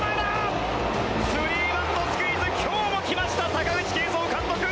スリーバントスクイズ今日も来ました、阪口監督。